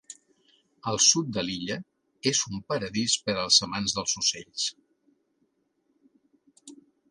El sud de l'illa és un paradís per als amants dels ocells.